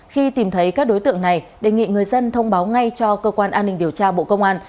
khi tìm thấy các đối tượng này đề nghị người dân thông báo ngay cho cơ quan an ninh điều tra bộ công an